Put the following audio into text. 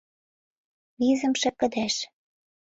ВИЗЫМШЕ КЫДЕЖ